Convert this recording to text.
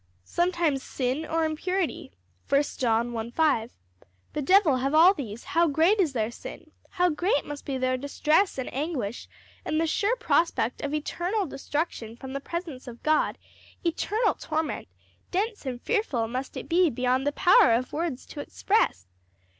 Sometimes sin or impurity, 1 John 1:5. The devil have all these; how great is their sin, how great must be their distress and anguish in the sure prospect of eternal destruction from the presence of God, eternal torment! dense and fearful must it be beyond the power of words to express!